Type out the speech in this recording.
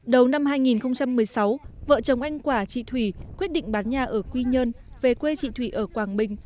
đầu năm hai nghìn một mươi sáu vợ chồng anh quả chị thủy quyết định bán nhà ở quy nhơn về quê chị thủy ở quảng bình